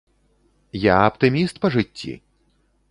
Я аптыміст па жыцці!